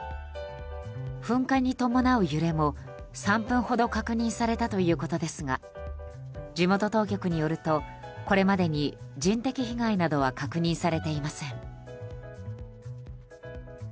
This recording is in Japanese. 噴火に伴う揺れも、３分ほど確認されたということですが地元当局によるとこれまでに人的被害などは確認されていません。